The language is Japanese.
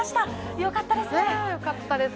よかったですね。